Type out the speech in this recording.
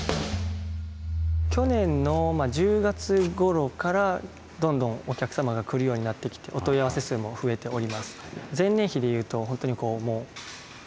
去年の１０月ごろからどんどんお客様が来るようになってきてお問い合わせ数も増えております。